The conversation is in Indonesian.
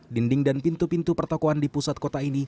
dinding dan pintu pintu pertokohan di pusat kota ini